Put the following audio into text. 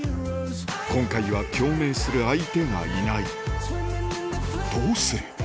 今回は共鳴する相手がいないどうする？